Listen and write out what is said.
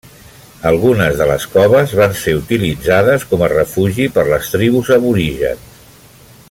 Algunes de les coves van ser utilitzades com a refugi per les tribus aborígens.